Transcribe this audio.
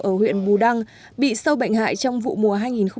ở huyện bù đăng bị sâu bệnh hại trong vụ mùa hai nghìn một mươi sáu hai nghìn một mươi bảy